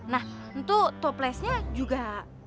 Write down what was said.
nah itu toplesnya